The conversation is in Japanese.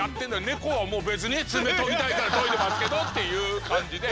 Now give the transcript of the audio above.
猫はもう別に爪研ぎたいから研いでますけどっていう感じで。